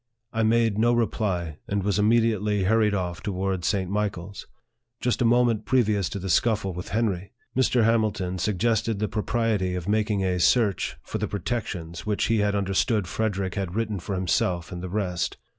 I made no reply, and was immediately hurried off to wards St. Michael's. Just a moment previous to the scuffle with Henry, Mr. Hamilton suggested the pro priety of making a search for the protections which he had understood Frederick had written for himself and the rest.